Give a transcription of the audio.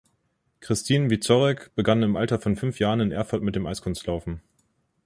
Kristin Wieczorek begann im Alter von fünf Jahren in Erfurt mit dem Eiskunstlaufen.